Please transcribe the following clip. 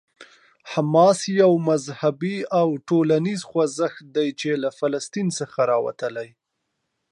حماس یو مذهبي او ټولنیز خوځښت دی چې له فلسطین څخه راوتلی.